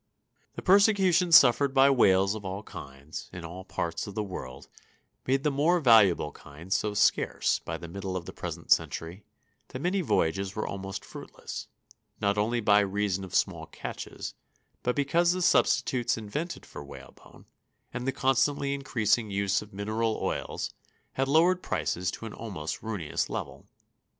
The persecution suffered by whales of all kinds in all parts of the world made the more valuable kinds so scarce by the middle of the present century that many voyages were almost fruitless, not only by reason of small catches, but because the substitutes invented for whalebone, and the constantly increasing use of mineral oils had lowered prices to an almost ruinous level.